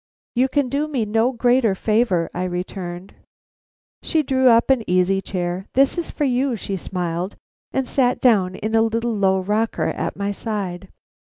"You can do me no greater favor," I returned. She drew up an easy chair. "That is for you," she smiled, and sat down in a little low rocker at my side.